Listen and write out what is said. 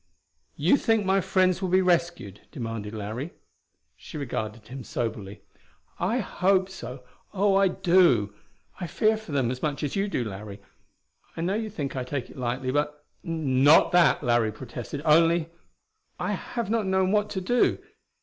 "You think my friends will be rescued?" demanded Larry. She regarded him soberly. "I hope so oh, I do! I fear for them as much as you do, Larry. I know you think I take it lightly, but " "Not that," Larry protested. "Only " "I have not known what to do.